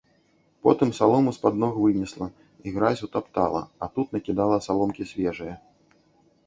Потым салому з-пад ног вынесла і ў гразь утаптала, а тут накідала саломкі свежае.